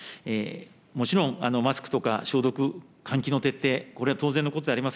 もちろん、マスクとか消毒、換気の徹底、これは当然のことであります